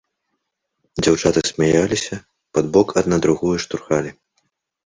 Дзяўчаты смяяліся, пад бок адна другую штурхалі.